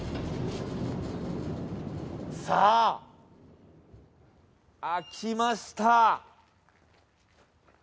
さあ開きました。